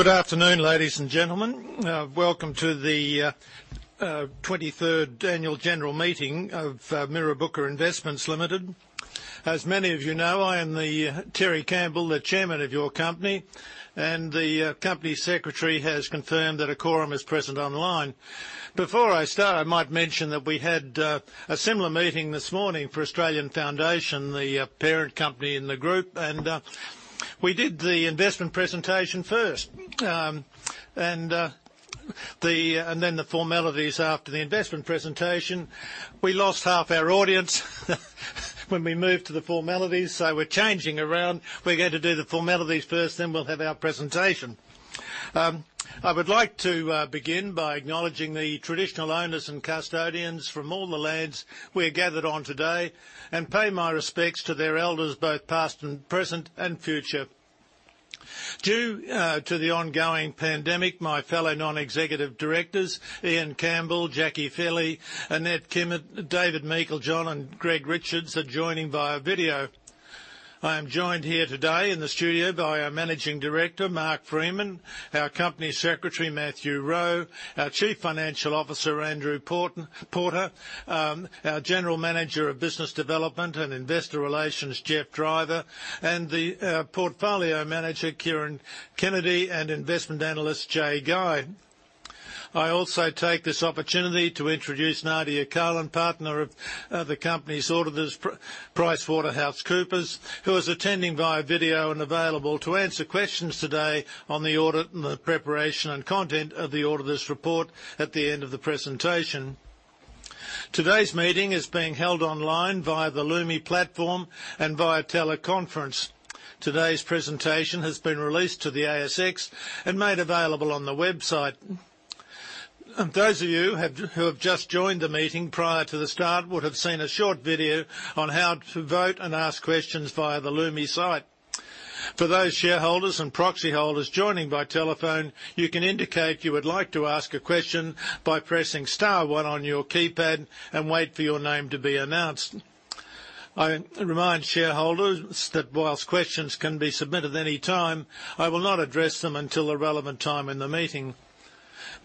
Good afternoon, ladies and gentlemen. Welcome to the 23rd annual general meeting of Mirrabooka Investments Limited. As many of you know, I am Terry Campbell, the Chairman of your company, and the company secretary has confirmed that a quorum is present online. Before I start, I might mention that we had a similar meeting this morning for Australian Foundation, the parent company in the group, and we did the investment presentation first and then the formalities after the investment presentation. We lost half our audience when we moved to the formalities, so we're changing around. We're going to do the formalities first, then we'll have our presentation. I would like to begin by acknowledging the traditional owners and custodians from all the lands we are gathered on today and pay my respects to their elders, both past and present and future. Due to the ongoing pandemic, my fellow non-executive directors, Ian Campbell, Jackie Fairley, Annette Kimmitt, David Meiklejohn, and Greg Richards, are joining via video. I am joined here today in the studio by our Managing Director, Mark Freeman, our Company Secretary, Matthew Rowe, our Chief Financial Officer, Andrew Porter, our General Manager Business Development and Investor Relations, Geoff Driver, and the Portfolio Manager, Kieran Kennedy, and Investment Analyst, Jaye Guy. I also take this opportunity to introduce Nadia Carlin, Partner of the company's auditors, PricewaterhouseCoopers, who is attending via video and available to answer questions today on the audit and the preparation and content of the auditor's report at the end of the presentation. Today's meeting is being held online via the Lumi platform and via teleconference. Today's presentation has been released to the ASX and made available on the website. Those of you who have just joined the meeting prior to the start would have seen a short video on how to vote and ask questions via the Lumi site. For those shareholders and proxy holders joining by telephone, you can indicate you would like to ask a question by pressing star one on your keypad and wait for your name to be announced. I remind shareholders that whilst questions can be submitted any time, I will not address them until the relevant time in the meeting.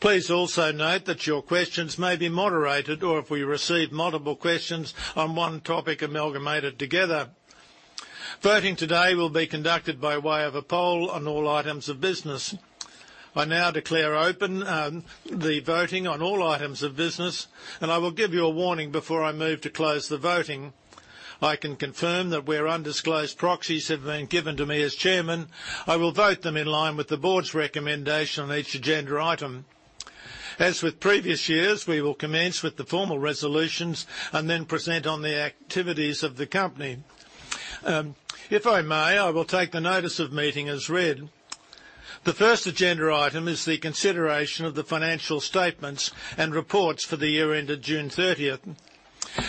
Please also note that your questions may be moderated, or if we receive multiple questions on one topic, amalgamated together. Voting today will be conducted by way of a poll on all items of business. I now declare open the voting on all items of business, and I will give you a warning before I move to close the voting. I can confirm that where undisclosed proxies have been given to me as chairman, I will vote them in line with the board's recommendation on each agenda item. As with previous years, we will commence with the formal resolutions and then present on the activities of the company. If I may, I will take the notice of meeting as read. The first agenda item is the consideration of the financial statements and reports for the year ended June 30th.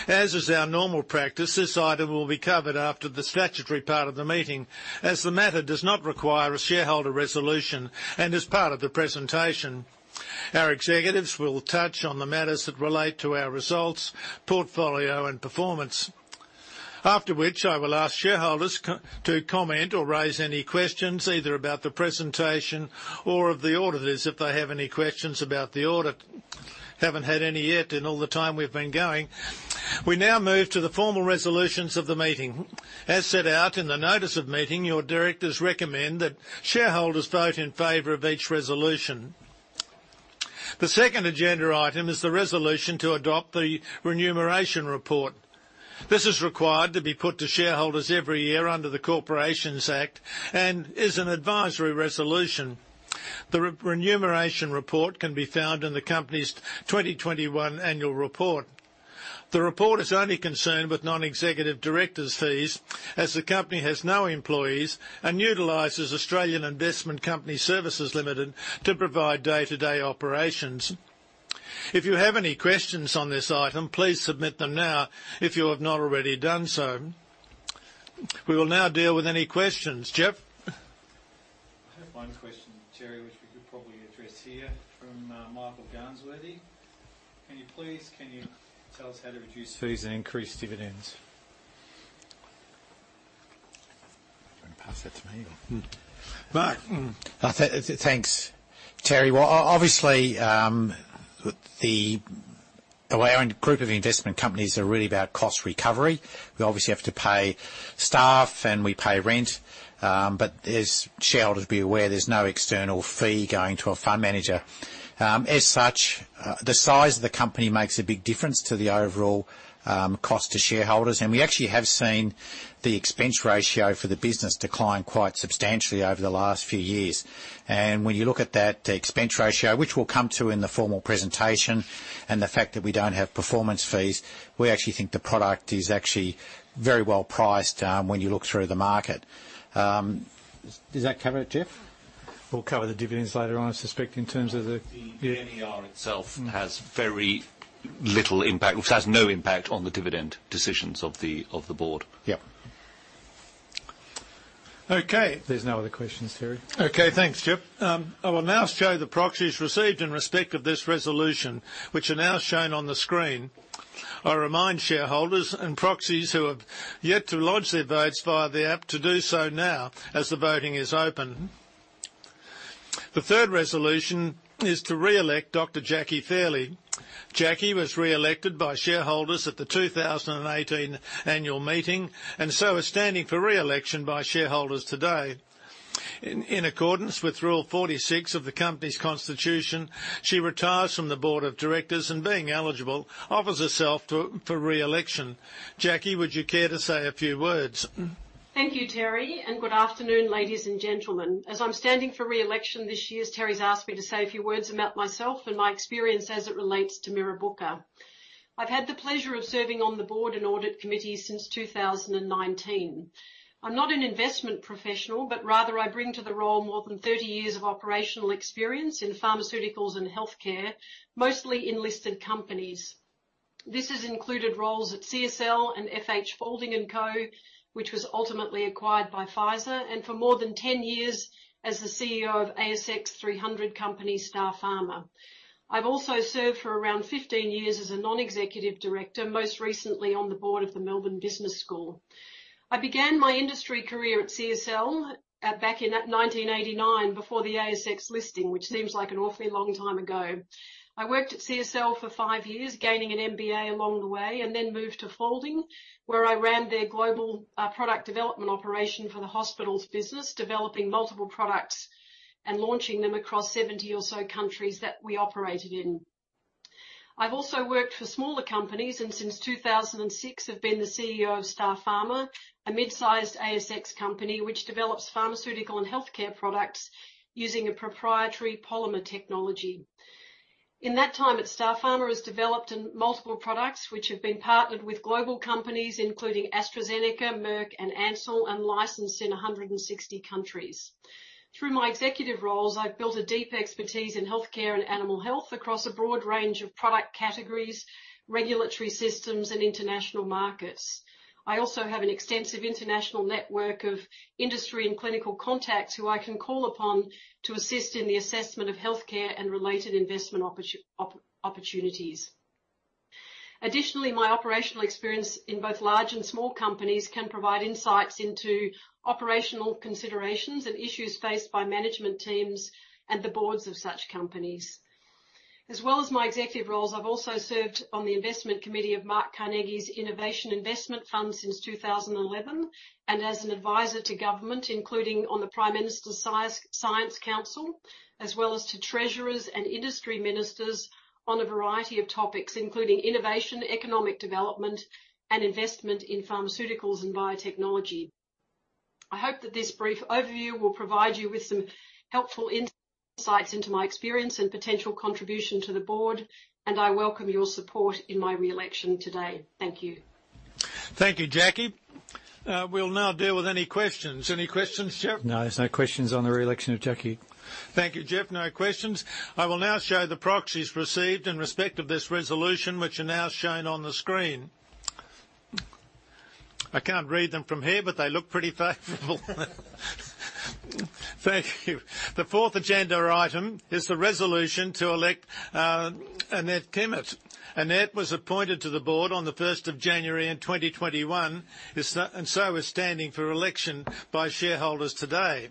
As is our normal practice, this item will be covered after the statutory part of the meeting, as the matter does not require a shareholder resolution and is part of the presentation. Our executives will touch on the matters that relate to our results, portfolio, and performance. After which, I will ask shareholders to comment or raise any questions, either about the presentation or of the auditors if they have any questions about the audit. Haven't had any yet in all the time we've been going. We now move to the formal resolutions of the meeting. As set out in the notice of meeting, your directors recommend that shareholders vote in favor of each resolution. The second agenda item is the resolution to adopt the remuneration report. This is required to be put to shareholders every year under the Corporations Act and is an advisory resolution. The remuneration report can be found in the company's 2021 annual report. The report is only concerned with non-executive directors' fees, as the company has no employees and utilizes Australian Investment Company Services Limited to provide day-to-day operations. If you have any questions on this item, please submit them now if you have not already done so. We will now deal with any questions. Geoff? I have one question, Terry, which we could probably address here from Michael Garnsworthy. "Can you please tell us how to reduce fees and increase dividends? Do you want to pass that to me or? Mark. Thanks, Terry. Well, obviously, our group of investment companies are really about cost recovery. We obviously have to pay staff, we pay rent. As shareholders will be aware, there's no external fee going to a fund manager. As such, the size of the company makes a big difference to the overall cost to shareholders, and we actually have seen the expense ratio for the business decline quite substantially over the last few years. When you look at that expense ratio, which we'll come to in the formal presentation, and the fact that we don't have performance fees, we actually think the product is actually very well priced when you look through the market. Does that cover it, Geoff? We'll cover the dividends later on, I suspect. Yeah. The MER itself has very little impact, if it has no impact, on the dividend decisions of the board. Yep. Okay. There's no other questions, Terry. Okay, thanks, Geoff. I will now show the proxies received in respect of this resolution, which are now shown on the screen. I remind shareholders and proxies who have yet to lodge their votes via the app to do so now, as the voting is open. The third resolution is to re-elect Dr. Jackie Fairley. Jackie was re-elected by shareholders at the 2018 annual meeting, and so is standing for re-election by shareholders today. In accordance with Rule 46 of the company's constitution, she retires from the board of directors and being eligible, offers herself for re-election. Jackie, would you care to say a few words? Thank you, Terry, and good afternoon, ladies and gentlemen. As I'm standing for re-election this year, Terry's asked me to say a few words about myself and my experience as it relates to Mirrabooka. I've had the pleasure of serving on the board and audit committee since 2019. I'm not an investment professional, but rather I bring to the role more than 30 years of operational experience in pharmaceuticals and healthcare, mostly in listed companies. This has included roles at CSL and F.H. Faulding & Co., which was ultimately acquired by Pfizer, and for more than 10 years as the CEO of ASX 300 company Starpharma. I've also served for around 15 years as a non-executive director, most recently on the board of the Melbourne Business School. I began my industry career at CSL back in 1989 before the ASX listing, which seems like an awfully long time ago. I worked at CSL for five years, gaining an MBA along the way, and then moved to Faulding, where I ran their global product development operation for the hospitals business, developing multiple products and launching them across 70 or so countries that we operated in. I've also worked for smaller companies, and since 2006 have been the CEO of Starpharma, a mid-sized ASX company which develops pharmaceutical and healthcare products using a proprietary polymer technology. In that time at Starpharma, has developed multiple products which have been partnered with global companies including AstraZeneca, Merck, and Ansell, and licensed in 160 countries. Through my executive roles, I've built a deep expertise in healthcare and animal health across a broad range of product categories, regulatory systems, and international markets. I also have an extensive international network of industry and clinical contacts who I can call upon to assist in the assessment of healthcare and related investment opportunities. Additionally, my operational experience in both large and small companies can provide insights into operational considerations and issues faced by management teams and the boards of such companies. As well as my executive roles, I've also served on the investment committee of Mark Carnegie's Innovation Investment Fund since 2011, and as an advisor to government, including on the Prime Minister's Science Council, as well as to treasurers and industry ministers on a variety of topics, including innovation, economic development, and investment in pharmaceuticals and biotechnology. I hope that this brief overview will provide you with some helpful insights into my experience and potential contribution to the board, and I welcome your support in my re-election today. Thank you. Thank you, Jackie. We'll now deal with any questions. Any questions, Geoff? No, there's no questions on the re-election of Jackie. Thank you, Geoff. No questions. I will now show the proxies received in respect of this resolution, which are now shown on the screen. I cannot read them from here, but they look pretty favorable. Thank you. The fourth agenda item is the resolution to elect Annette Kimmitt. Annette was appointed to the board on the 1st of January in 2021, and so is standing for election by shareholders today.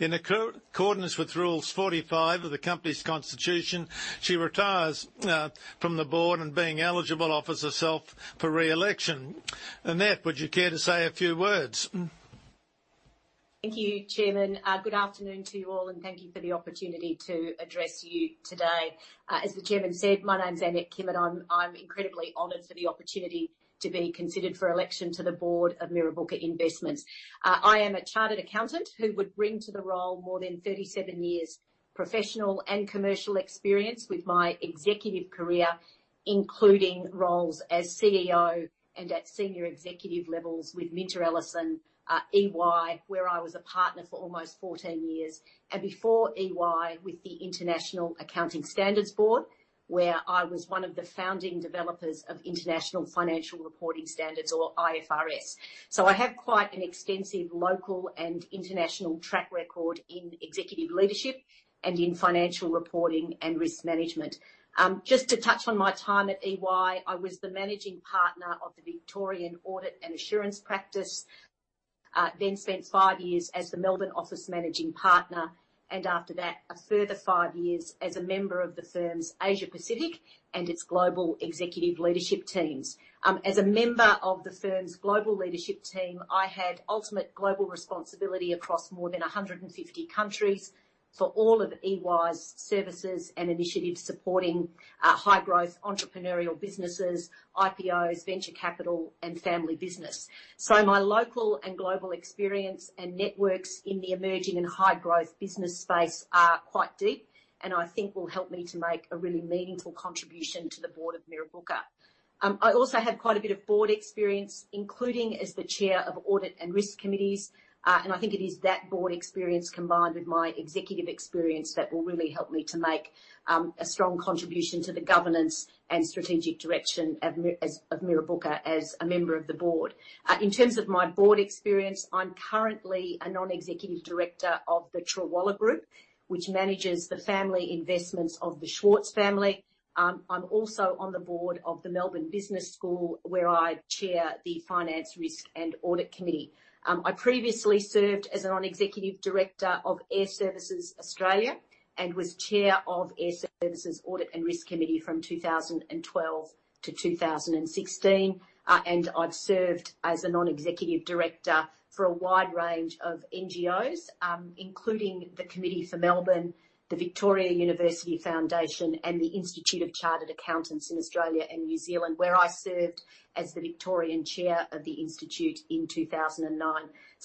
In accordance with Rules 45 of the company's constitution, she retires from the board and being eligible, offers herself for re-election. Annette, would you care to say a few words? Thank you, Chairman. Good afternoon to you all, and thank you for the opportunity to address you today. As the Chairman said, my name's Annette Kimmitt. I'm incredibly honored for the opportunity to be considered for election to the board of Mirrabooka Investments. I am a chartered accountant who would bring to the role more than 37 years' professional and commercial experience with my executive career, including roles as CEO and at senior executive levels with MinterEllison, EY, where I was a partner for almost 14 years. Before EY, with the International Accounting Standards Board, where I was one of the founding developers of International Financial Reporting Standards, or IFRS. I have quite an extensive local and international track record in executive leadership and in financial reporting and risk management. Just to touch on my time at EY, I was the managing partner of the Victorian Audit and Assurance Practice, then spent five years as the Melbourne office managing partner, and after that, a further five years as a member of the firm's Asia Pacific and its global executive leadership teams. As a member of the firm's global leadership team, I had ultimate global responsibility across more than 150 countries for all of EY's services and initiatives supporting high-growth entrepreneurial businesses, IPOs, venture capital, and family business. My local and global experience and networks in the emerging and high-growth business space are quite deep and I think will help me to make a really meaningful contribution to the board of Mirrabooka. I also have quite a bit of board experience, including as the chair of audit and risk committees. I think it is that board experience combined with my executive experience that will really help me to make a strong contribution to the governance and strategic direction of Mirrabooka as a member of the board. In terms of my board experience, I'm currently a non-executive director of the Trawalla Group, which manages the family investments of the Schwartz family. I'm also on the board of the Melbourne Business School, where I chair the Finance, Risk, and Audit Committee. I previously served as a non-executive director of Airservices Australia and was chair of Airservices Audit and Risk Committee from 2012 to 2016. I've served as a non-executive director for a wide range of NGOs, including the Committee for Melbourne, the Victoria University Foundation, and Chartered Accountants Australia and New Zealand, where I served as the Victorian Chair of the institute in 2009.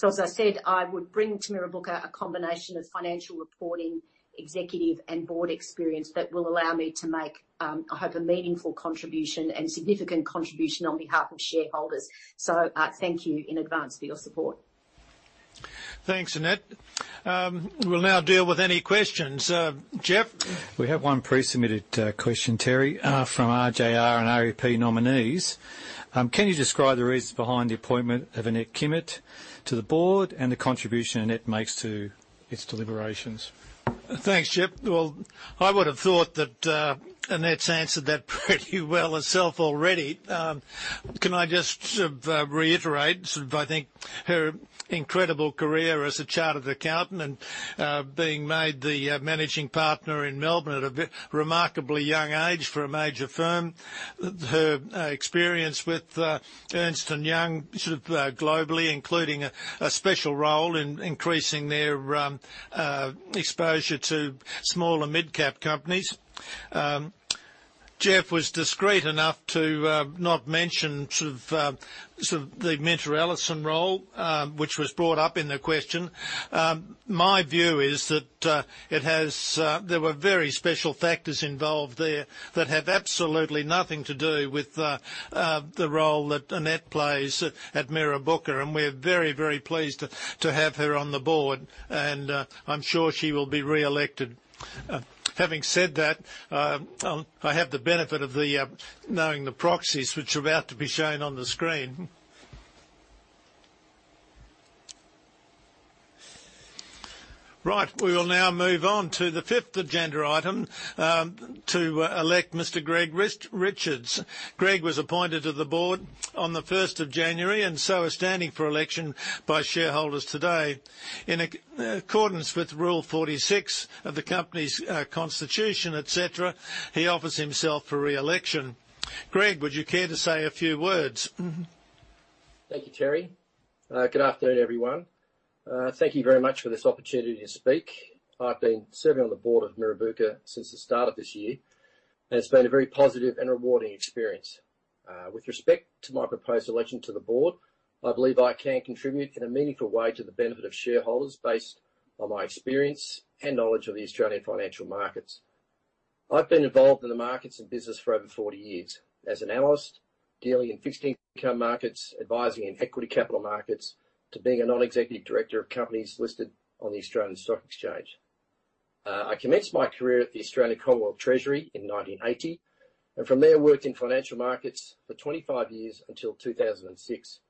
As I said, I would bring to Mirrabooka a combination of financial reporting, executive, and board experience that will allow me to make, I hope, a meaningful contribution and significant contribution on behalf of shareholders. Thank you in advance for your support. Thanks, Annette. We'll now deal with any questions. Geoff? We have one pre-submitted question, Terry, from RJR and RAP Nominees. Can you describe the reasons behind the appointment of Annette Kimmitt to the board and the contribution Annette makes to its deliberations? Thanks, Geoff. Well, I would've thought that Annette's answered that pretty well herself already. Can I just reiterate, I think her incredible career as a chartered accountant and being made the managing partner in Melbourne at a remarkably young age for a major firm, her experience with Ernst & Young globally, including a special role in increasing their exposure to small and mid-cap companies. Geoff was discreet enough to not mention the MinterEllison role, which was brought up in the question. My view is that there were very special factors involved there that have absolutely nothing to do with the role that Annette plays at Mirrabooka, and we're very pleased to have her on the board. And I'm sure she will be reelected. Having said that, I have the benefit of knowing the proxies, which are about to be shown on the screen. Right. We will now move on to the fifth agenda item, to elect Mr. Greg Richards. Greg was appointed to the board on the 1st of January and so is standing for election by shareholders today. In accordance with Rule 46 of the company's constitution, et cetera, he offers himself for reelection. Greg, would you care to say a few words? Thank you, Terry. Good afternoon, everyone. Thank you very much for this opportunity to speak. I've been serving on the board of Mirrabooka Investments since the start of this year, and it's been a very positive and rewarding experience. With respect to my proposed election to the board, I believe I can contribute in a meaningful way to the benefit of shareholders based on my experience and knowledge of the Australian financial markets. I've been involved in the markets and business for over 40 years as an analyst dealing in fixed income markets, advising in equity capital markets, to being a non-executive director of companies listed on the Australian Securities Exchange. I commenced my career at The Treasury in 1980, and from there worked in financial markets for 25 years until 2006.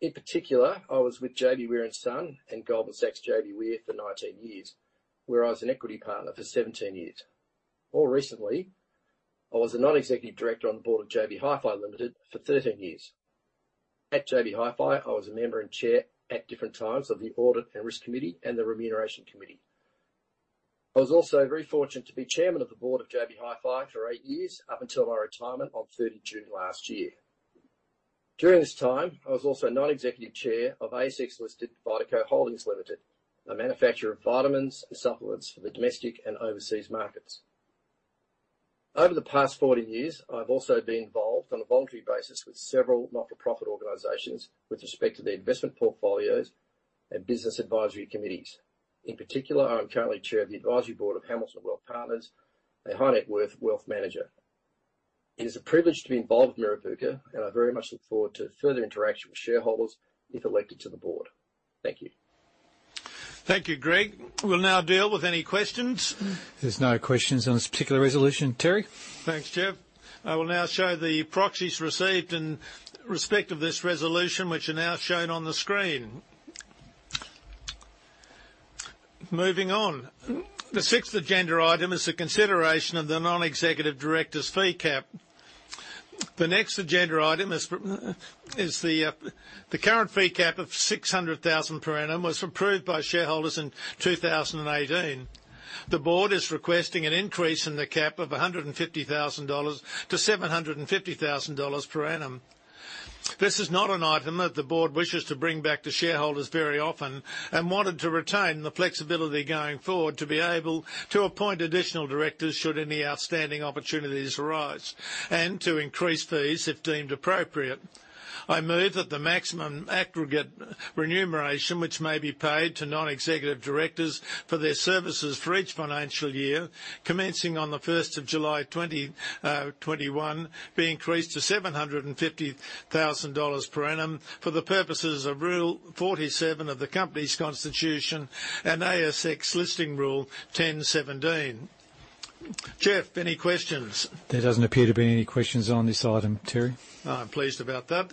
In particular, I was with J.B. Were & Son and Goldman Sachs JBWere for 19 years, where I was an equity partner for 17 years. More recently, I was a non-executive director on the board of JB Hi-Fi Limited for 13 years. At JB Hi-Fi, I was a member and chair at different times of the Audit and Risk Committee and the Remuneration Committee. I was also very fortunate to be chairman of the board of JB Hi-Fi for eight years up until my retirement on 30 June last year. During this time, I was also non-executive chair of ASX-listed Vitaco Holdings Limited, a manufacturer of vitamins and supplements for the domestic and overseas markets. Over the past 40 years, I've also been involved on a voluntary basis with several not-for-profit organizations with respect to their investment portfolios and business advisory committees. In particular, I am currently chair of the advisory board of Hamilton Wealth Partners, a high-net worth wealth manager. It is a privilege to be involved with Mirrabooka, and I very much look forward to further interaction with shareholders if elected to the board. Thank you. Thank you, Greg. We'll now deal with any questions. There's no questions on this particular resolution, Terry. Thanks, Geoff. I will now show the proxies received in respect of this resolution, which are now shown on the screen. Moving on. The sixth agenda item is the consideration of the non-executive director's fee cap. The next agenda item is the current fee cap of 600,000 per annum was approved by shareholders in 2018. The board is requesting an increase in the cap of 150,000 dollars to 750,000 dollars per annum. This is not an item that the board wishes to bring back to shareholders very often and wanted to retain the flexibility going forward to be able to appoint additional directors should any outstanding opportunities arise, and to increase fees if deemed appropriate. I move that the maximum aggregate remuneration which may be paid to non-executive directors for their services for each financial year, commencing on the 1st of July 2021, be increased to 750,000 dollars per annum for the purposes of Rule 47 of the company's constitution and ASX Listing Rule 10.17. Geoff, any questions? There doesn't appear to be any questions on this item, Terry. I'm pleased about that.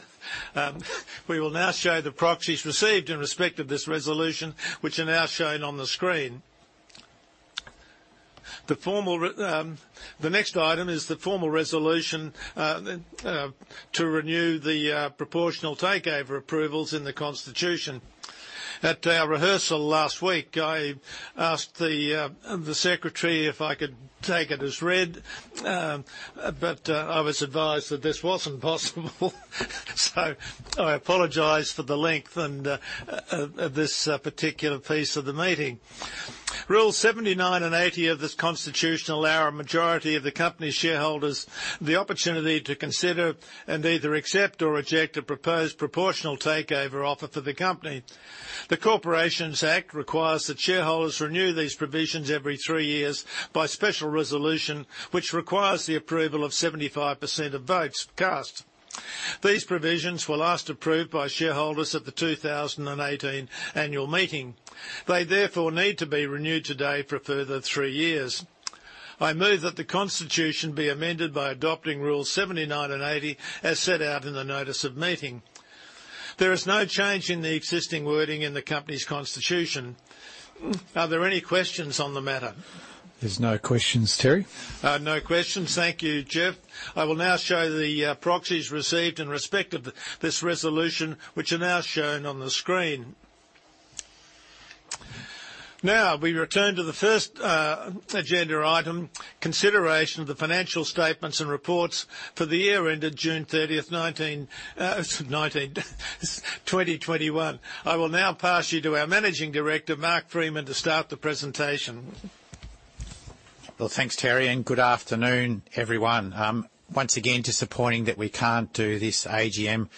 We will now show the proxies received in respect of this resolution, which are now shown on the screen. The next item is the formal resolution to renew the proportional takeover approvals in the constitution. At our rehearsal last week, I asked the secretary if I could take it as read, but I was advised that this wasn't possible, so I apologize for the length of this particular piece of the meeting. Rules 79 and 80 of this constitution allow a majority of the company shareholders the opportunity to consider and either accept or reject a proposed proportional takeover offer for the company. The Corporations Act requires that shareholders renew these provisions every three years by special resolution, which requires the approval of 75% of votes cast. These provisions were last approved by shareholders at the 2018 annual meeting. They therefore need to be renewed today for a further three years. I move that the constitution be amended by adopting Rules 79 and 80 as set out in the notice of meeting. There is no change in the existing wording in the company's constitution. Are there any questions on the matter? There's no questions, Terry. No questions. Thank you, Geoff. I will now show the proxies received in respect of this resolution, which are now shown on the screen. Now, we return to the first agenda item, consideration of the financial statements and reports for the year ended June 30th, 2021. I will now pass you to our Managing Director, Mark Freeman, to start the presentation. Well, thanks, Terry, good afternoon, everyone. Once again, disappointing that we can't do this AGM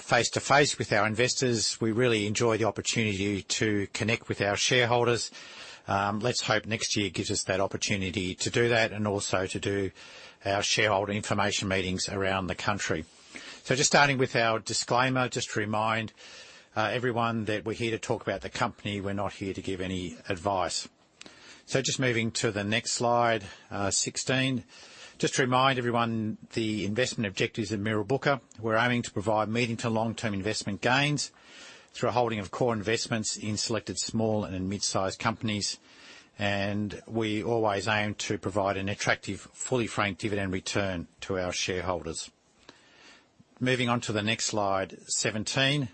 face-to-face with our investors. We really enjoy the opportunity to connect with our shareholders. Let's hope next year gives us that opportunity to do that and also to do our shareholder information meetings around the country. Just starting with our disclaimer, just to remind everyone that we're here to talk about the company. We're not here to give any advice. Just moving to the next slide, 16. Just to remind everyone the investment objectives of Mirrabooka. We're aiming to provide medium to long-term investment gains through a holding of core investments in selected small and in mid-sized companies. We always aim to provide an attractive, fully franked dividend return to our shareholders. Moving on to the next slide, 17.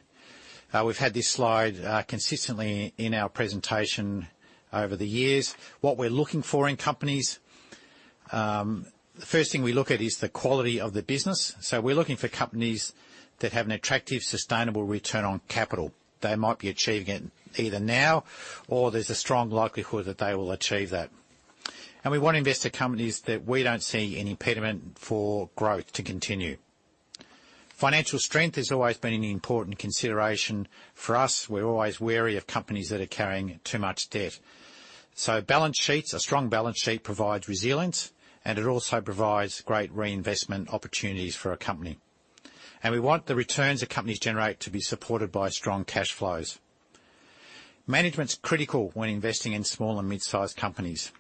We've had this slide consistently in our presentation over the years. What we're looking for in companies, the first thing we look at is the quality of the business. We're looking for companies that have an attractive, sustainable return on capital. They might be achieving it either now or there's a strong likelihood that they will achieve that. We want to invest in companies that we don't see any impediment for growth to continue. Financial strength has always been an important consideration for us. We're always wary of companies that are carrying too much debt. Balance sheets, a strong balance sheet provides resilience, and it also provides great reinvestment opportunities for a company. We want the returns that companies generate to be supported by strong cash flows. Management's critical when investing in small and mid-sized companies.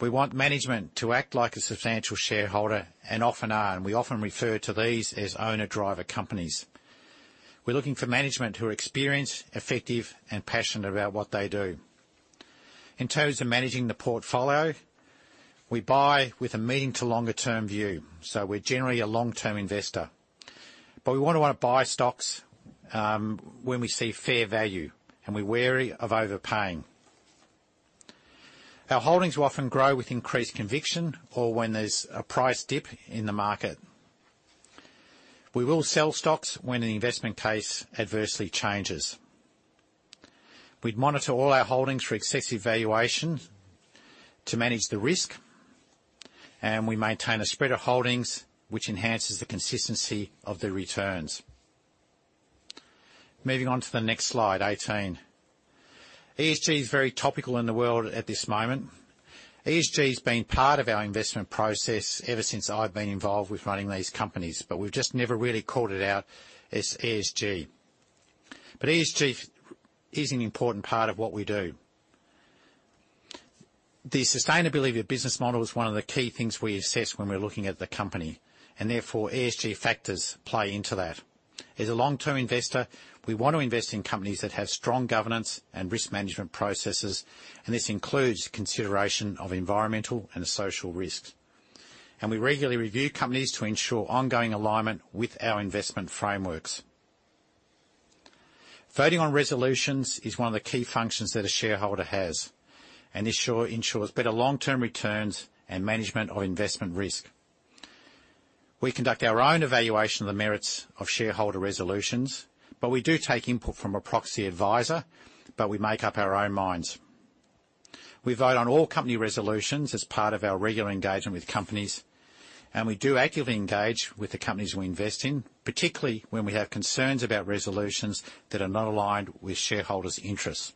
We want management to act like a substantial shareholder and often are, and we often refer to these as owner-driver companies. We're looking for management who are experienced, effective and passionate about what they do. In terms of managing the portfolio, we buy with a medium to longer term view. We're generally a long-term investor. We want to buy stocks when we see fair value, and we're wary of overpaying. Our holdings will often grow with increased conviction or when there's a price dip in the market. We will sell stocks when an investment case adversely changes. We'd monitor all our holdings for excessive valuation to manage the risk, and we maintain a spread of holdings which enhances the consistency of the returns. Moving on to the next slide, 18. ESG is very topical in the world at this moment. ESG has been part of our investment process ever since I've been involved with running these companies, but we've just never really called it out as ESG. ESG is an important part of what we do. The sustainability of business model is one of the key things we assess when we're looking at the company, and therefore, ESG factors play into that. As a long-term investor, we want to invest in companies that have strong governance and risk management processes, and this includes consideration of environmental and social risks. We regularly review companies to ensure ongoing alignment with our investment frameworks. Voting on resolutions is one of the key functions that a shareholder has, and this ensures better long-term returns and management of investment risk. We conduct our own evaluation of the merits of shareholder resolutions, but we do take input from a proxy advisor, but we make up our own minds. We vote on all company resolutions as part of our regular engagement with companies. We do actively engage with the companies we invest in, particularly when we have concerns about resolutions that are not aligned with shareholders' interests.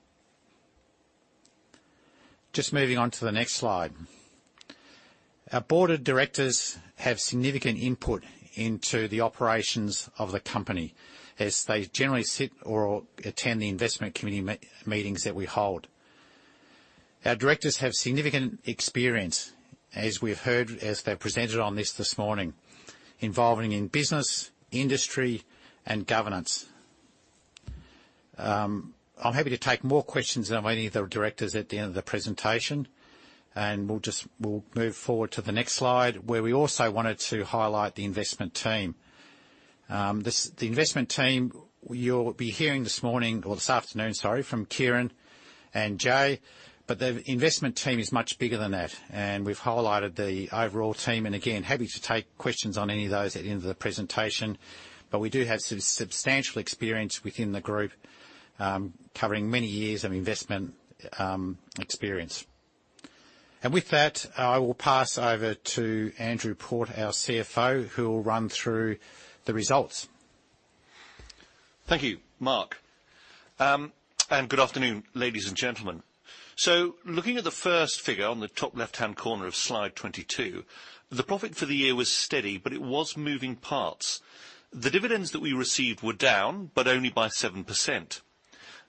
Just moving on to the next slide. Our board of directors have significant input into the operations of the company as they generally sit or attend the investment committee meetings that we hold. Our directors have significant experience, as we've heard, as they presented on this this morning, involving in business, industry and governance. I'm happy to take more questions on any of the directors at the end of the presentation. We'll move forward to the next slide, where we also wanted to highlight the investment team. The investment team, you'll be hearing this morning, or this afternoon, sorry, from Kieran and Jaye. The investment team is much bigger than that. We've highlighted the overall team. Again, happy to take questions on any of those at the end of the presentation. We do have substantial experience within the group, covering many years of investment experience. With that, I will pass over to Andrew Porter, our CFO, who will run through the results. Thank you, Mark. Good afternoon, ladies and gentlemen. Looking at the first figure on the top left-hand corner of slide 22, the profit for the year was steady, but it was moving parts. The dividends that we received were down, but only by 7%.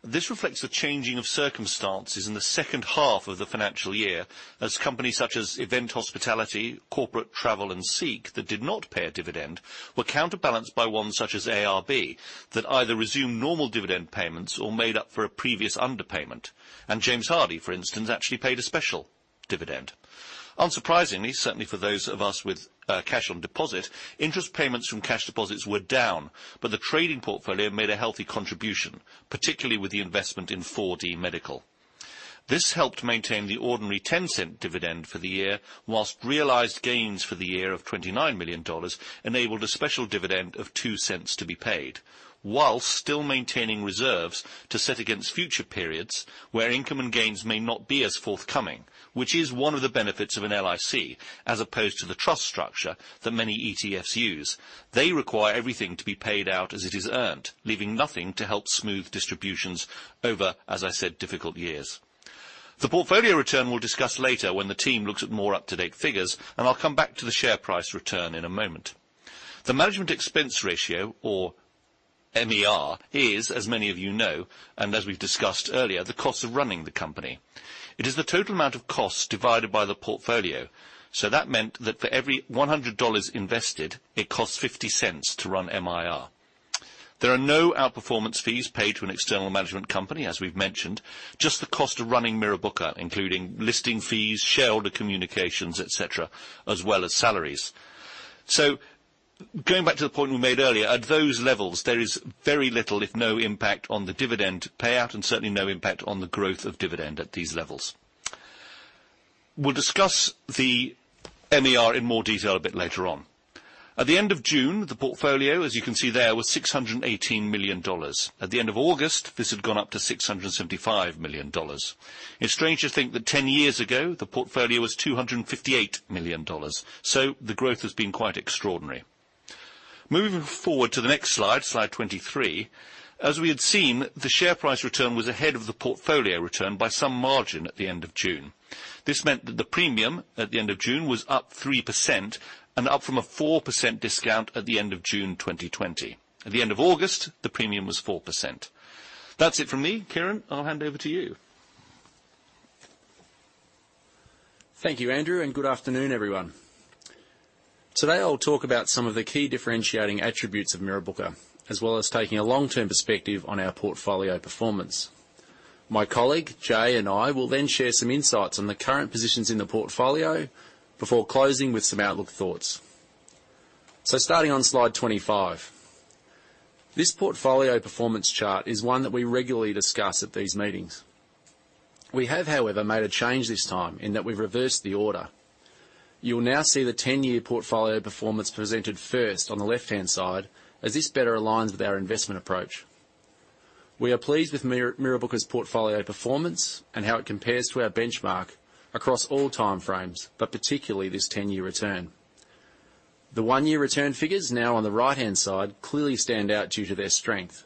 This reflects the changing of circumstances in the second half of the financial year, as companies such as Event Hospitality, Corporate Travel, and SEEK, that did not pay a dividend, were counterbalanced by ones such as ARB, that either resumed normal dividend payments or made up for a previous underpayment. James Hardie, for instance, actually paid a special dividend. Unsurprisingly, certainly for those of us with cash on deposit, interest payments from cash deposits were down, but the trading portfolio made a healthy contribution, particularly with the investment in 4DMedical. This helped maintain the ordinary 0.10 dividend for the year, whilst realized gains for the year of AUD 29 million enabled a special dividend of 0.02 to be paid, whilst still maintaining reserves to set against future periods where income and gains may not be as forthcoming, which is one of the benefits of an LIC, as opposed to the trust structure that many ETFs use. They require everything to be paid out as it is earned, leaving nothing to help smooth distributions over, as I said, difficult years. The portfolio return we will discuss later when the team looks at more up-to-date figures, and I will come back to the share price return in a moment. The management expense ratio, or MER, is, as many of you know, and as we have discussed earlier, the cost of running the company. It is the total amount of costs divided by the portfolio. That meant that for every 100 dollars invested, it costs 0.50 to run MIR. There are no outperformance fees paid to an external management company, as we've mentioned, just the cost of running Mirrabooka, including listing fees, shareholder communications, et cetera, as well as salaries. Going back to the point we made earlier, at those levels, there is very little, if no impact on the dividend payout, and certainly no impact on the growth of dividend at these levels. We'll discuss the MER in more detail a bit later on. At the end of June, the portfolio, as you can see there, was AUD 618 million. At the end of August, this had gone up to AUD 675 million. It's strange to think that 10 years ago, the portfolio was AUD 258 million. The growth has been quite extraordinary. Moving forward to the next slide 23, as we had seen, the share price return was ahead of the portfolio return by some margin at the end of June. This meant that the premium at the end of June was up 3% and up from a 4% discount at the end of June 2020. At the end of August, the premium was 4%. That's it from me. Kieran, I'll hand over to you. Thank you, Andrew, and good afternoon, everyone. Today, I'll talk about some of the key differentiating attributes of Mirrabooka, as well as taking a long-term perspective on our portfolio performance. My colleague, Jaye, and I will then share some insights on the current positions in the portfolio before closing with some outlook thoughts. Starting on slide 25. This portfolio performance chart is one that we regularly discuss at these meetings. We have, however, made a change this time in that we've reversed the order. You will now see the 10-year portfolio performance presented first on the left-hand side, as this better aligns with our investment approach. We are pleased with Mirrabooka's portfolio performance and how it compares to our benchmark across all time frames, but particularly this 10-year return. The one-year return figures now on the right-hand side clearly stand out due to their strength.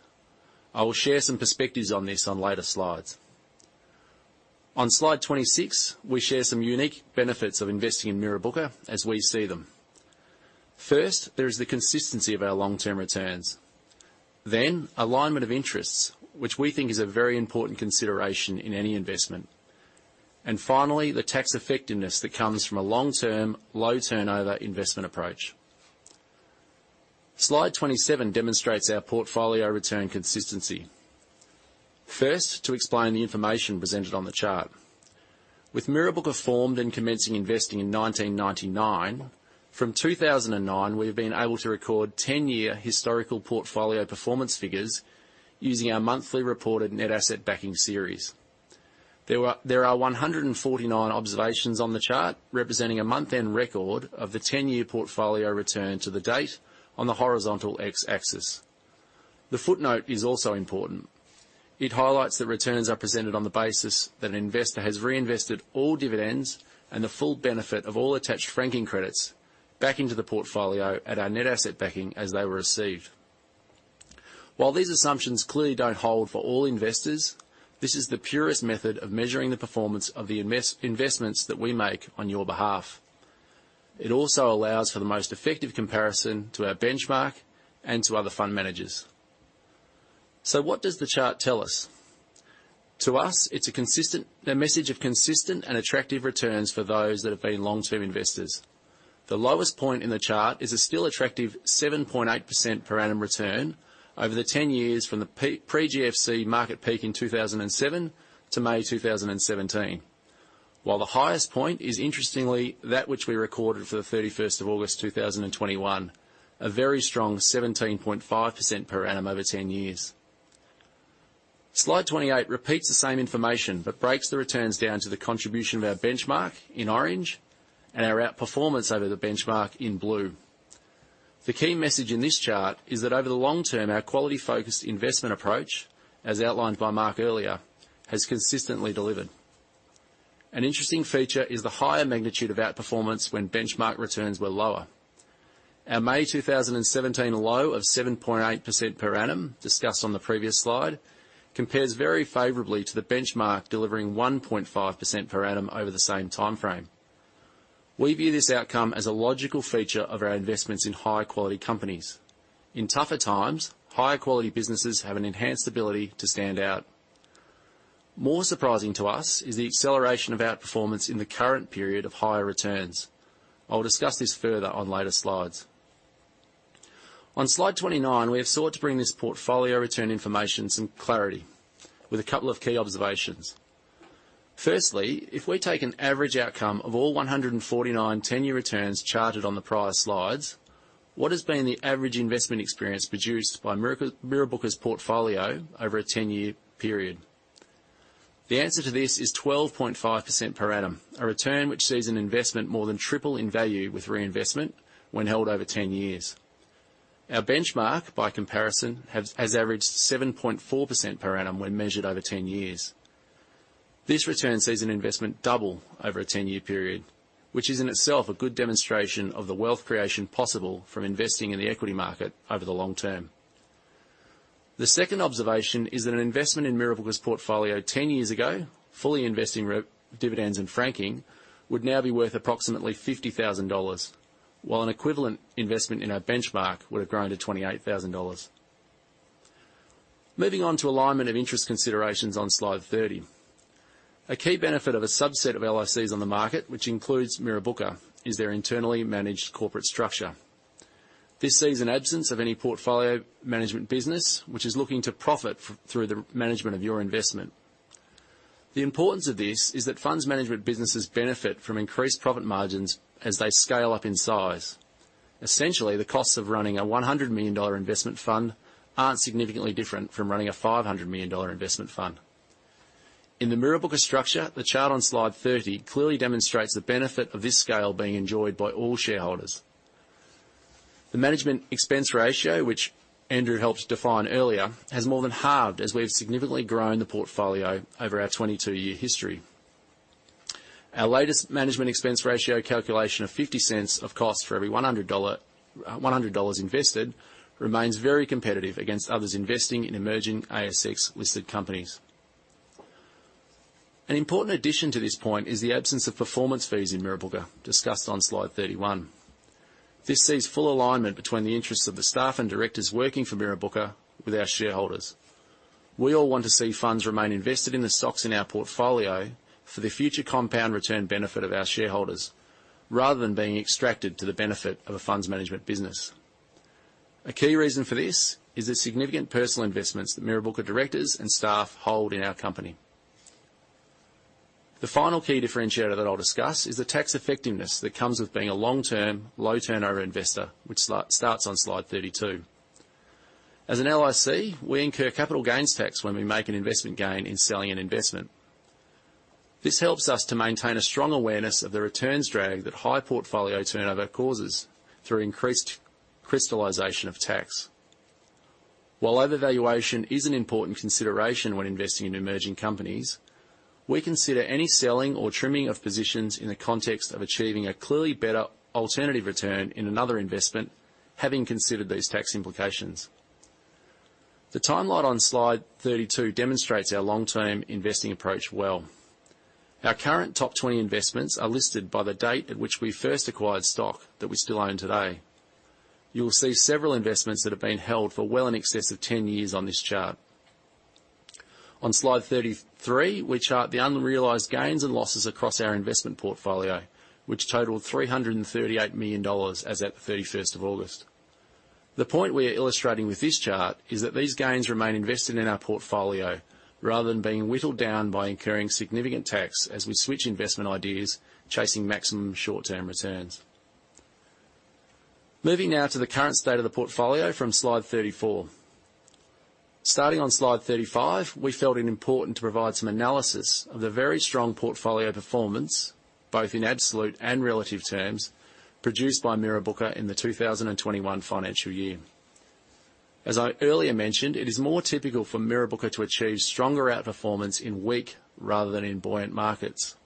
I will share some perspectives on this on later slides. On slide 26, we share some unique benefits of investing in Mirrabooka as we see them. First, there is the consistency of our long-term returns. Alignment of interests, which we think is a very important consideration in any investment. Finally, the tax effectiveness that comes from a long-term, low turnover investment approach. Slide 27 demonstrates our portfolio return consistency. First, to explain the information presented on the chart. With Mirrabooka formed and commencing investing in 1999, from 2009, we've been able to record 10-year historical portfolio performance figures using our monthly reported net asset backing series. There are 149 observations on the chart representing a month-end record of the 10-year portfolio return to the date on the horizontal x-axis. The footnote is also important. It highlights that returns are presented on the basis that an investor has reinvested all dividends and the full benefit of all attached franking credits back into the portfolio at our net asset backing as they were received. While these assumptions clearly don't hold for all investors, this is the purest method of measuring the performance of the investments that we make on your behalf. It also allows for the most effective comparison to our benchmark and to other fund managers. What does the chart tell us? To us, it's a message of consistent and attractive returns for those that have been long-term investors. The lowest point in the chart is a still attractive 7.8% per annum return over the 10 years from the pre-GFC market peak in 2007 to May 2017. The highest point is interestingly that which we recorded for the 31st of August 2021, a very strong 17.5% per annum over 10 years. Slide 28 repeats the same information but breaks the returns down to the contribution of our benchmark in orange and our outperformance over the benchmark in blue. The key message in this chart is that over the long term, our quality-focused investment approach, as outlined by Mark earlier, has consistently delivered. An interesting feature is the higher magnitude of outperformance when benchmark returns were lower. Our May 2017 low of 7.8% per annum, discussed on the previous slide, compares very favorably to the benchmark, delivering 1.5% per annum over the same timeframe. We view this outcome as a logical feature of our investments in high-quality companies. In tougher times, higher-quality businesses have an enhanced ability to stand out. More surprising to us is the acceleration of outperformance in the current period of higher returns. I will discuss this further on later slides. On slide 29, we have sought to bring this portfolio return information some clarity with a couple of key observations. Firstly, if we take an average outcome of all 149 10-year returns charted on the prior slides, what has been the average investment experience produced by Mirrabooka's portfolio over a 10-year period? The answer to this is 12.5% per annum, a return which sees an investment more than triple in value with reinvestment when held over 10 years. Our benchmark, by comparison, has averaged 7.4% per annum when measured over 10 years. This return sees an investment double over a 10-year period, which is in itself a good demonstration of the wealth creation possible from investing in the equity market over the long term. The second observation is that an investment in Mirrabooka's portfolio 10 years ago, fully investing dividends and franking, would now be worth approximately 50,000 dollars, while an equivalent investment in our benchmark would have grown to 28,000 dollars. Moving on to alignment of interest considerations on slide 30. A key benefit of a subset of LICs on the market, which includes Mirrabooka, is their internally managed corporate structure. This sees an absence of any portfolio management business, which is looking to profit through the management of your investment. The importance of this is that funds management businesses benefit from increased profit margins as they scale up in size. Essentially, the costs of running an 100 million dollar investment fund aren't significantly different from running an 500 million dollar investment fund. In the Mirrabooka structure, the chart on slide 30 clearly demonstrates the benefit of this scale being enjoyed by all shareholders. The management expense ratio, which Andrew helped define earlier, has more than halved as we have significantly grown the portfolio over our 22-year history. Our latest management expense ratio calculation of 0.50 of cost for every 100 dollars invested remains very competitive against others investing in emerging ASX-listed companies. An important addition to this point is the absence of performance fees in Mirrabooka, discussed on slide 31. This sees full alignment between the interests of the staff and directors working for Mirrabooka with our shareholders. We all want to see funds remain invested in the stocks in our portfolio for the future compound return benefit of our shareholders, rather than being extracted to the benefit of a funds management business. A key reason for this is the significant personal investments that Mirrabooka directors and staff hold in our company. The final key differentiator that I'll discuss is the tax effectiveness that comes with being a long-term, low-turnover investor, which starts on slide 32. As an LIC, we incur capital gains tax when we make an investment gain in selling an investment. This helps us to maintain a strong awareness of the returns drag that high portfolio turnover causes through increased crystallization of tax. While overvaluation is an important consideration when investing in emerging companies, we consider any selling or trimming of positions in the context of achieving a clearly better alternative return in another investment, having considered these tax implications. The timeline on slide 32 demonstrates our long-term investing approach well. Our current top 20 investments are listed by the date at which we first acquired stock that we still own today. You will see several investments that have been held for well in excess of 10 years on this chart. On slide 33, we chart the unrealized gains and losses across our investment portfolio, which totaled 338 million dollars as at the 31st of August. The point we are illustrating with this chart is that these gains remain invested in our portfolio rather than being whittled down by incurring significant tax as we switch investment ideas chasing maximum short-term returns. Moving now to the current state of the portfolio from slide 34. Starting on slide 35, we felt it important to provide some analysis of the very strong portfolio performance, both in absolute and relative terms, produced by Mirrabooka in the 2021 financial year. As I earlier mentioned, it is more typical for Mirrabooka to achieve stronger outperformance in weak rather than in buoyant markets.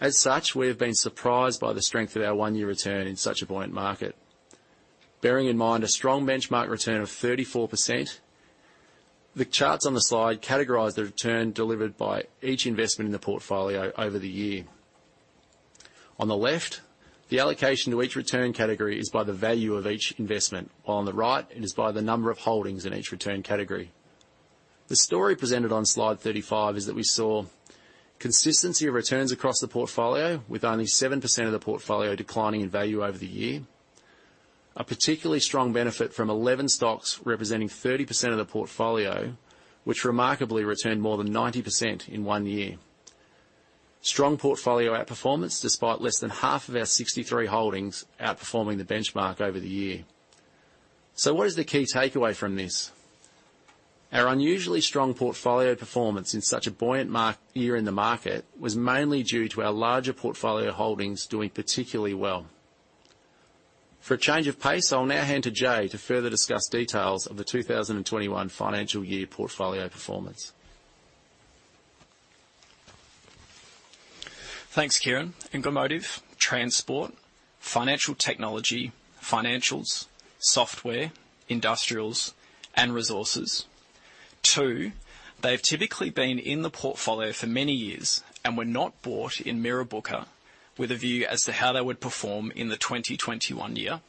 As such, we have been surprised by the strength of our one-year return in such a buoyant market. Bearing in mind a strong benchmark return of 34%, the charts on the slide categorize the return delivered by each investment in the portfolio over the year. On the left, the allocation to each return category is by the value of each investment, while on the right it is by the number of holdings in each return category. The story presented on slide 35 is that we saw consistency of returns across the portfolio with only 7% of the portfolio declining in value over the year. A particularly strong benefit from 11 stocks representing 30% of the portfolio, which remarkably returned more than 90% in one year. Strong portfolio outperformance, despite less than half of our 63 holdings outperforming the benchmark over the year. What is the key takeaway from this? Our unusually strong portfolio performance in such a buoyant year in the market was mainly due to our larger portfolio holdings doing particularly well. For a change of pace, I'll now hand to Jaye to further discuss details of the 2021 financial year portfolio performance. Thanks, Kieran. automotive, transport, financial technology, financials, software, industrials and resources. Two, they've typically been in the portfolio for many years and were not bought in Mirrabooka with a view as to how they would perform in the 2021 year.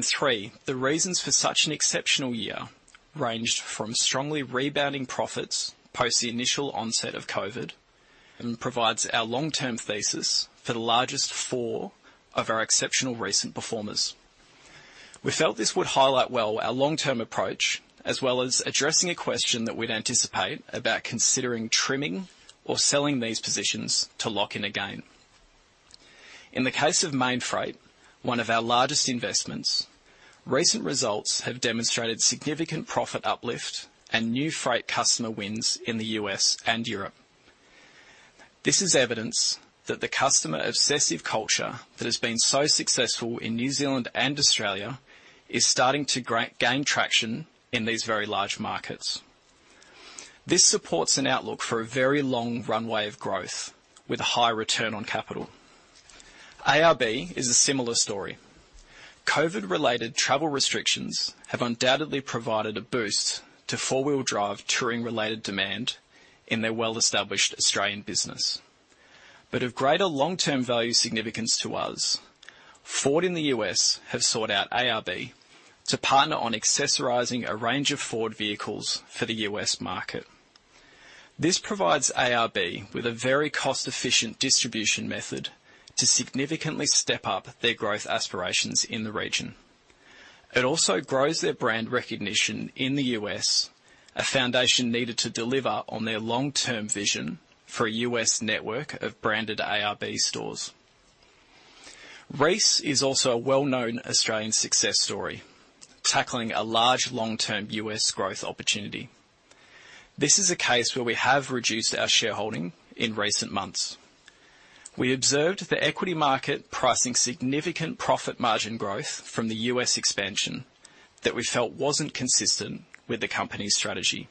Three, the reasons for such an exceptional year ranged from strongly rebounding profits post the initial onset of COVID, and provides our long-term thesis for the largest four of our exceptional recent performers. We felt this would highlight well our long-term approach, as well as addressing a question that we'd anticipate about considering trimming or selling these positions to lock in a gain. In the case of Mainfreight, one of our largest investments, recent results have demonstrated significant profit uplift and new freight customer wins in the U.S. and Europe. This is evidence that the customer-obsessive culture that has been so successful in New Zealand and Australia is starting to gain traction in these very large markets. This supports an outlook for a very long runway of growth with a high return on capital. ARB is a similar story. COVID-related travel restrictions have undoubtedly provided a boost to four-wheel drive touring-related demand in their well-established Australian business. Of greater long-term value significance to us, Ford in the U.S. have sought out ARB to partner on accessorizing a range of Ford vehicles for the U.S. market. This provides ARB with a very cost-efficient distribution method to significantly step up their growth aspirations in the region. It also grows their brand recognition in the U.S., a foundation needed to deliver on their long-term vision for a U.S. network of branded ARB stores. Reece is also a well-known Australian success story, tackling a large long-term U.S. growth opportunity. This is a case where we have reduced our shareholding in recent months. We observed the equity market pricing significant profit margin growth from the U.S. expansion that we felt wasn't consistent with the company's strategy.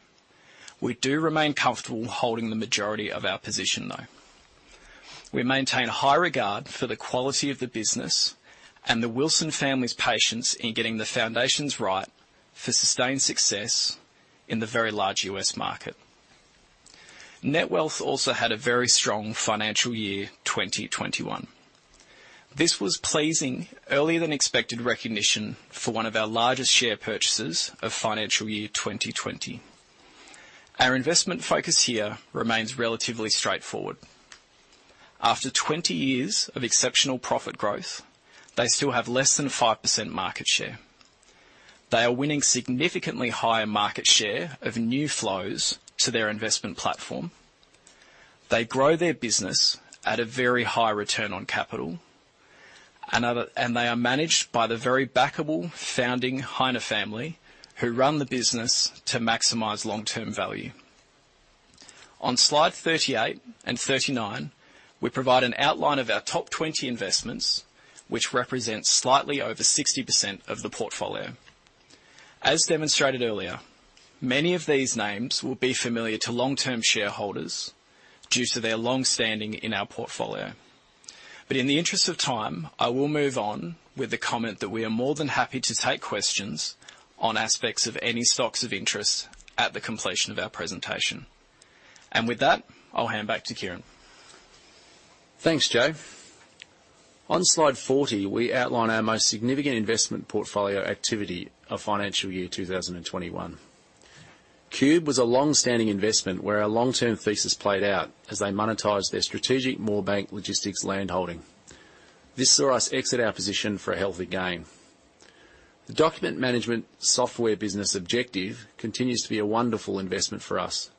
We do remain comfortable holding the majority of our position, though. We maintain a high regard for the quality of the business and the Wilson family's patience in getting the foundations right for sustained success in the very large U.S. market. Netwealth also had a very strong financial year 2021. This was pleasing earlier than expected recognition for one of our largest share purchases of financial year 2020. Our investment focus here remains relatively straightforward. After 20 years of exceptional profit growth, they still have less than 5% market share. They are winning significantly higher market share of new flows to their investment platform. They grow their business at a very high return on capital. They are managed by the very backable founding Heine family, who run the business to maximize long-term value. On slide 38 and 39, we provide an outline of our top 20 investments, which represent slightly over 60% of the portfolio. As demonstrated earlier, many of these names will be familiar to long-term shareholders due to their long standing in our portfolio. In the interest of time, I will move on with the comment that we are more than happy to take questions on aspects of any stocks of interest at the completion of our presentation. With that, I'll hand back to Kieran. Thanks, Jaye. On slide 40, we outline our most significant investment portfolio activity of financial year 2021. Qube was a long-standing investment where our long-term thesis played out as they monetized their strategic Moorebank Logistics land holding. This saw us exit our position for a healthy gain. The document management software business Objective continues to be a wonderful investment for us.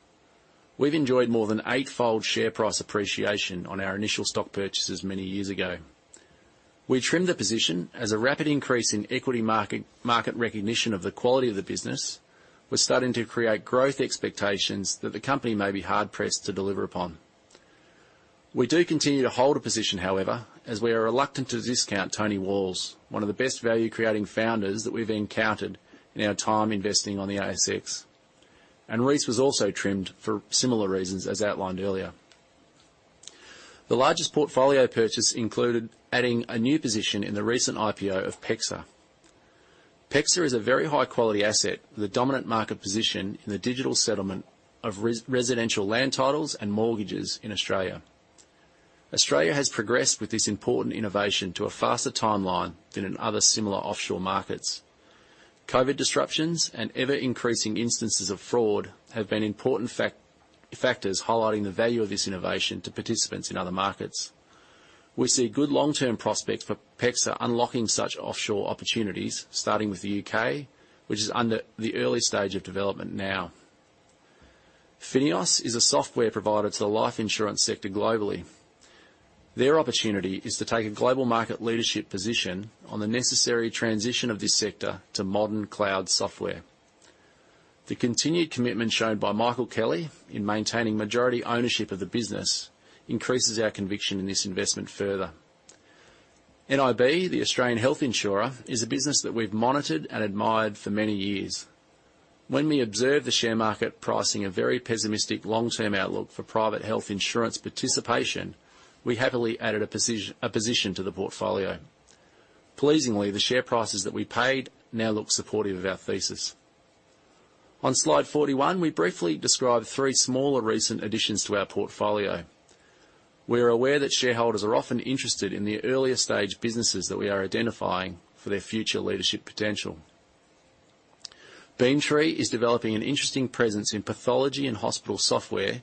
We've enjoyed more than eightfold share price appreciation on our initial stock purchases many years ago. We trimmed the position as a rapid increase in equity market recognition of the quality of the business was starting to create growth expectations that the company may be hard pressed to deliver upon. We do continue to hold a position, however, as we are reluctant to discount Tony Walls, one of the best value-creating founders that we've encountered in our time investing on the ASX. Reece was also trimmed for similar reasons as outlined earlier. The largest portfolio purchase included adding a new position in the recent IPO of PEXA. PEXA is a very high-quality asset with a dominant market position in the digital settlement of residential land titles and mortgages in Australia. Australia has progressed with this important innovation to a faster timeline than in other similar offshore markets. COVID disruptions and ever-increasing instances of fraud have been important factors highlighting the value of this innovation to participants in other markets. We see good long-term prospects for PEXA unlocking such offshore opportunities, starting with the U.K., which is under the early stage of development now. FINEOS is a software provider to the life insurance sector globally. Their opportunity is to take a global market leadership position on the necessary transition of this sector to modern cloud software. The continued commitment shown by Michael Kelly in maintaining majority ownership of the business increases our conviction in this investment further. NIB, the Australian health insurer, is a business that we've monitored and admired for many years. When we observed the share market pricing a very pessimistic long-term outlook for private health insurance participation, we happily added a position to the portfolio. Pleasingly, the share prices that we paid now look supportive of our thesis. On slide 41, we briefly describe three smaller recent additions to our portfolio. We're aware that shareholders are often interested in the earlier stage businesses that we are identifying for their future leadership potential. Beamtree is developing an interesting presence in pathology and hospital software,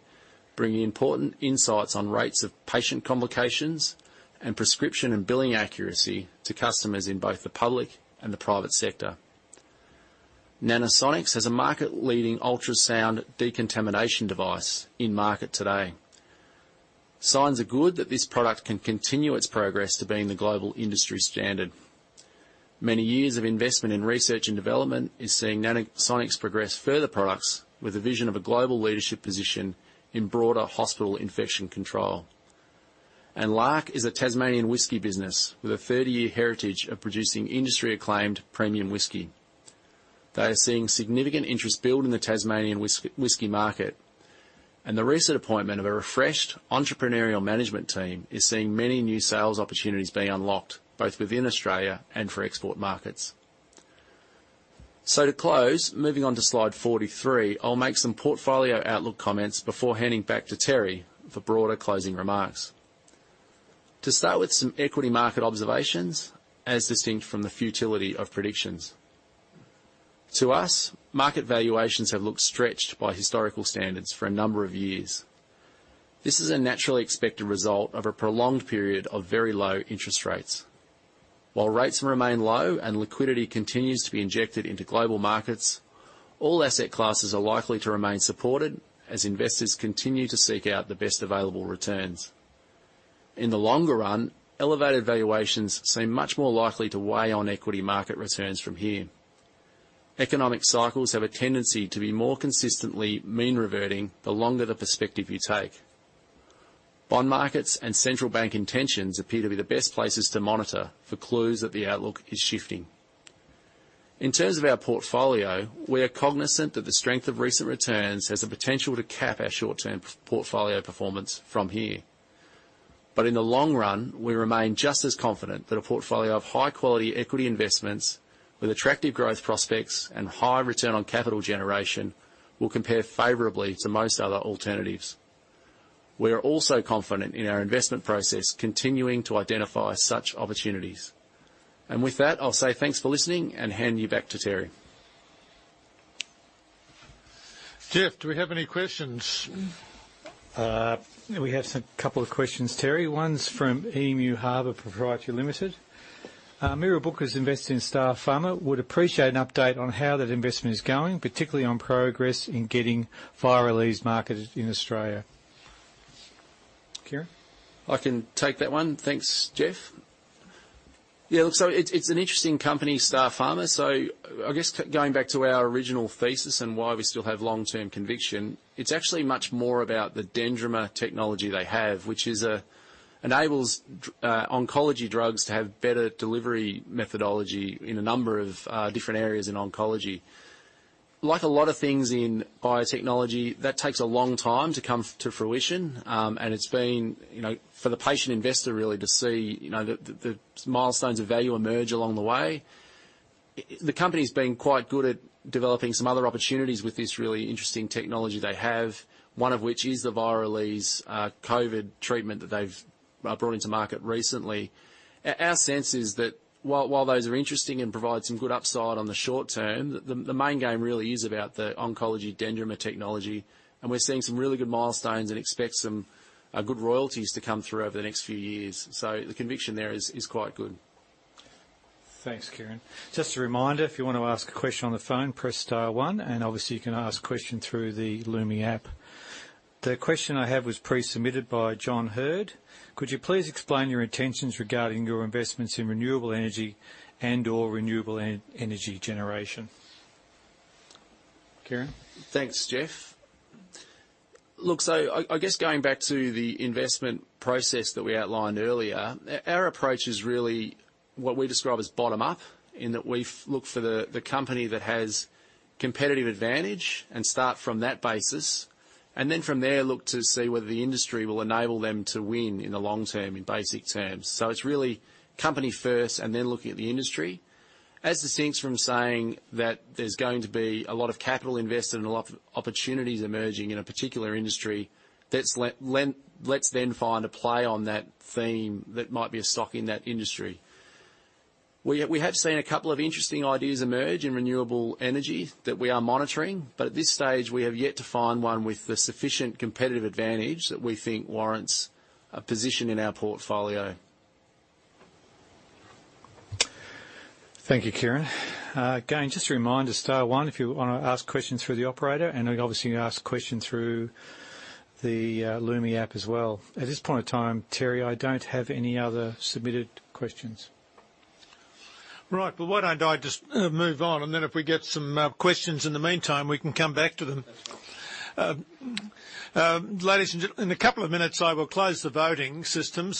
bringing important insights on rates of patient complications and prescription and billing accuracy to customers in both the public and the private sector. Nanosonics has a market-leading ultrasound decontamination device in market today. Signs are good that this product can continue its progress to being the global industry standard. Many years of investment in research and development is seeing Nanosonics progress further products with a vision of a global leadership position in broader hospital infection control. Lark is a Tasmanian whiskey business with a 30-year heritage of producing industry-acclaimed premium whiskey. They are seeing significant interest build in the Tasmanian whiskey market, the recent appointment of a refreshed entrepreneurial management team is seeing many new sales opportunities being unlocked, both within Australia and for export markets. To close, moving on to slide 43, I'll make some portfolio outlook comments before handing back to Terry for broader closing remarks. To start with some equity market observations, as distinct from the futility of predictions. To us, market valuations have looked stretched by historical standards for a number of years. This is a naturally expected result of a prolonged period of very low interest rates. While rates remain low and liquidity continues to be injected into global markets, all asset classes are likely to remain supported as investors continue to seek out the best available returns. In the longer run, elevated valuations seem much more likely to weigh on equity market returns from here. Economic cycles have a tendency to be more consistently mean reverting the longer the perspective you take. Bond markets and central bank intentions appear to be the best places to monitor for clues that the outlook is shifting. In terms of our portfolio, we are cognizant that the strength of recent returns has the potential to cap our short-term portfolio performance from here. In the long run, we remain just as confident that a portfolio of high-quality equity investments with attractive growth prospects and high return on capital generation will compare favorably to most other alternatives. We are also confident in our investment process continuing to identify such opportunities. With that, I'll say thanks for listening and hand you back to Terry. Geoff, do we have any questions? We have a couple of questions, Terry. One's from Emu Harbour Proprietary Limited. Mirrabooka Investments in Starpharma would appreciate an update on how that investment is going, particularly on progress in getting VIRALEZE marketed in Australia. Kieran? I can take that one. Thanks, Geoff. Yeah, look, it's an interesting company, Starpharma. I guess going back to our original thesis and why we still have long-term conviction, it's actually much more about the dendrimer technology they have, which enables oncology drugs to have better delivery methodology in a number of different areas in oncology. Like a lot of things in biotechnology, that takes a long time to come to fruition, and it's been for the patient investor really to see the milestones of value emerge along the way. The company's been quite good at developing some other opportunities with this really interesting technology they have, one of which is the VIRALEZE COVID treatment that they've brought into market recently. Our sense is that while those are interesting and provide some good upside on the short term, the main game really is about the oncology dendrimer technology, and we're seeing some really good milestones and expect some good royalties to come through over the next few years. The conviction there is quite good. Thanks, Kieran. Just a reminder, if you want to ask a question on the phone, press star one, and obviously you can ask a question through the Lumi app. The question I have was pre-submitted by John Heard. Could you please explain your intentions regarding your investments in renewable energy and/or renewable energy generation? Kieran? Thanks, Geoff. Look, I guess going back to the investment process that we outlined earlier, our approach is really what we describe as bottom-up, in that we look for the company that has competitive advantage and start from that basis, and then from there, look to see whether the industry will enable them to win in the long term in basic terms. It's really company first and then looking at the industry. As the sense from saying that there's going to be a lot of capital invested and a lot of opportunities emerging in a particular industry, let's find a play on that theme that might be a stock in that industry. We have seen a couple of interesting ideas emerge in renewable energy that we are monitoring, At this stage, we have yet to find one with the sufficient competitive advantage that we think warrants a position in our portfolio. Thank you, Kieran. Again, just a reminder, star one if you want to ask questions through the operator, and obviously, you can ask a question through the Lumi app as well. At this point in time, Terry, I don't have any other submitted questions. Right. Well, why don't I just move on, and then if we get some questions in the meantime, we can come back to them. That's right. Ladies and gentlemen, in a couple of minutes, I will close the voting system.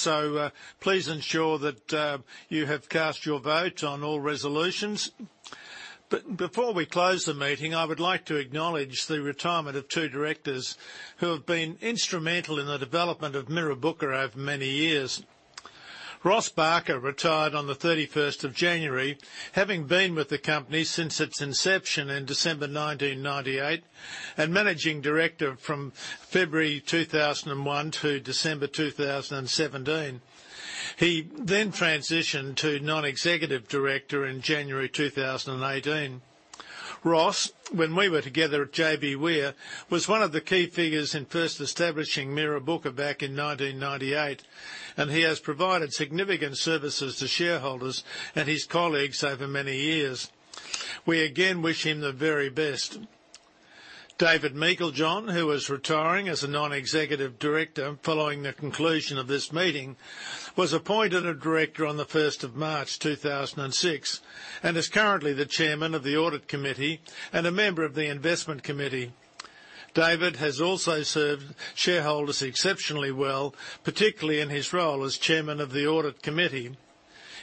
Please ensure that you have cast your vote on all resolutions. Before we close the meeting, I would like to acknowledge the retirement of two directors who have been instrumental in the development of Mirrabooka over many years. Ross Barker retired on the 31st of January, having been with the company since its inception in December 1998 and Managing Director from February 2001 to December 2017. He transitioned to non-executive director in January 2018. Ross, when we were together at JBWere, was one of the key figures in first establishing Mirrabooka back in 1998, and he has provided significant services to shareholders and his colleagues over many years. We again wish him the very best. David Meiklejohn, who is retiring as a non-executive director following the conclusion of this meeting, was appointed a director on the 1st of March 2006 and is currently the Chairman of the Audit Committee and a member of the Investment Committee. David has also served shareholders exceptionally well, particularly in his role as Chairman of the Audit Committee.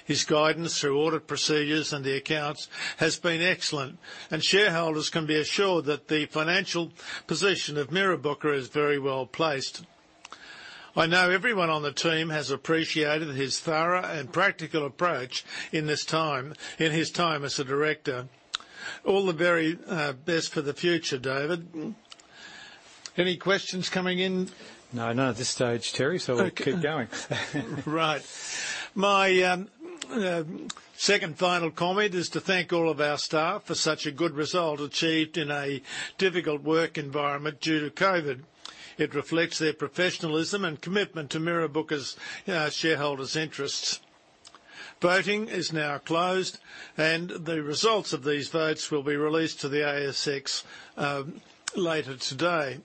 His guidance through audit procedures and the accounts has been excellent, and shareholders can be assured that the financial position of Mirrabooka is very well-placed. I know everyone on the team has appreciated his thorough and practical approach in his time as a director. All the very best for the future, David. Any questions coming in? No, none at this stage, Terry. Okay We'll keep going. Right. My second final comment is to thank all of our staff for such a good result achieved in a difficult work environment due to COVID. It reflects their professionalism and commitment to Mirrabooka's shareholders' interests. Voting is now closed, and the results of these votes will be released to the ASX later today.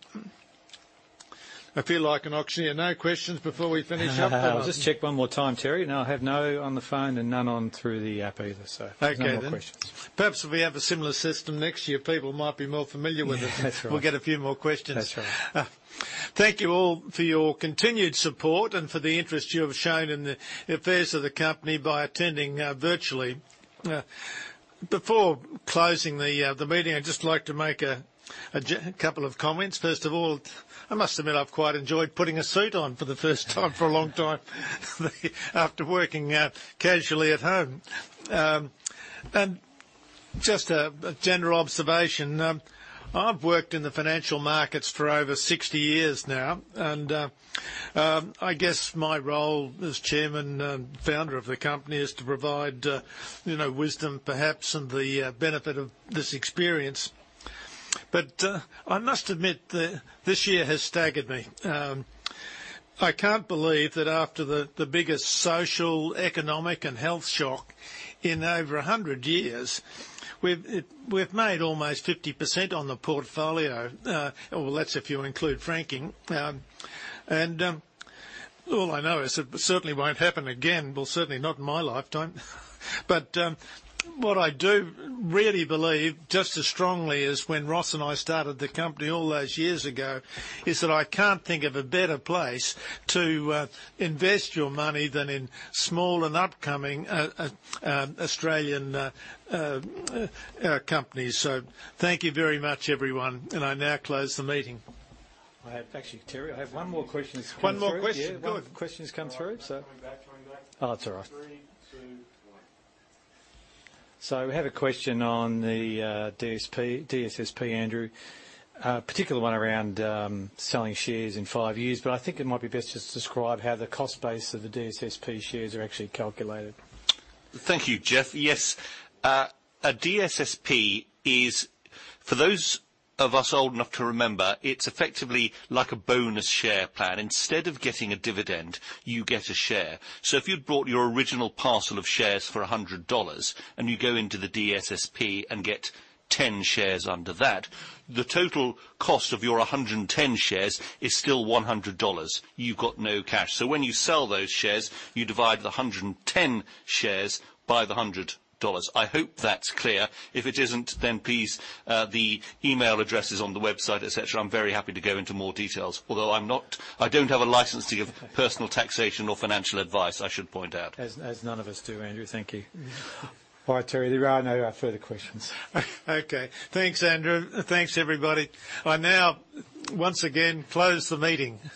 I feel like an auctioneer. No questions before we finish up? I'll just check one more time, Terry. No, I have no on the phone and none on through the app either. Okay then. No more questions. Perhaps if we have a similar system next year, people might be more familiar with it. That's right. We'll get a few more questions. That's right. Thank you all for your continued support and for the interest you have shown in the affairs of the company by attending virtually. Before closing the meeting, I'd just like to make a couple of comments. First of all, I must admit, I've quite enjoyed putting a suit on for the first time for a long time after working casually at home. Just a general observation, I've worked in the financial markets for over 60 years now, and I guess my role as chairman and founder of the company is to provide wisdom, perhaps, and the benefit of this experience. I must admit that this year has staggered me. I can't believe that after the biggest social, economic, and health shock in over 100 years, we've made almost 50% on the portfolio. Well, that's if you include franking. All I know is it certainly won't happen again. Certainly not in my lifetime. What I do really believe, just as strongly as when Ross and I started the company all those years ago, is that I can't think of a better place to invest your money than in small and upcoming Australian companies. Thank you very much, everyone, and I now close the meeting. Actually, Terry, I have one more question that's come through. One more question? Yeah. Good. One question's come through. Oh, it's all right. We have a question on the DSSP, Andrew. Particular one around selling shares in five years, but I think it might be best just to describe how the cost base of the DSSP shares are actually calculated. Thank you, Geoff. Yes. A DSSP is, for those of us old enough to remember, it's effectively like a bonus share plan. Instead of getting a dividend, you get a share. If you'd bought your original parcel of shares for 100 dollars and you go into the DSSP and get 10 shares under that, the total cost of your 110 shares is still 100 dollars. You've got no cash. When you sell those shares, you divide the 110 shares by the 100 dollars. I hope that's clear. If it isn't, please, the email address is on the website, et cetera. I'm very happy to go into more details, although I don't have a license to give personal taxation or financial advice, I should point out. As none of us do, Andrew. Thank you. All right, Terry. There are no further questions. Okay. Thanks, Andrew. Thanks, everybody. I now once again close the meeting.